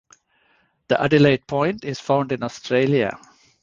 The "Adelaide point" is found in Australia.